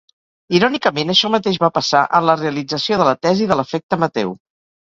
Irònicament això mateix va passar en la realització de la tesi de l'Efecte Mateu.